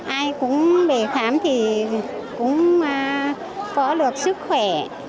ai cũng về khám thì cũng có được sức khỏe